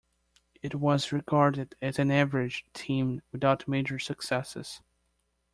It was regarded as an average team, without major successes.